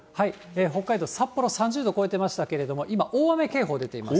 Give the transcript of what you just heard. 北海道札幌、３０度超えてましたけれども、今、大雨警報出ています。